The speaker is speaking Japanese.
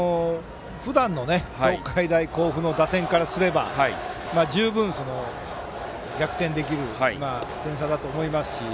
ふだんの東海大甲府の打線からすれば十分、逆転できる点差だと思いますし